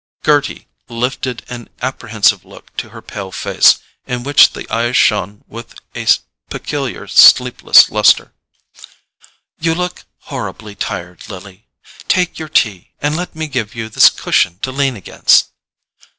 Gerty lifted an apprehensive look to her pale face, in which the eyes shone with a peculiar sleepless lustre. "You look horribly tired, Lily; take your tea, and let me give you this cushion to lean against."